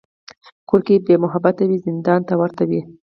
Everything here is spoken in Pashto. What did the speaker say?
کور که بېمحبته وي، زندان ته ورته وي.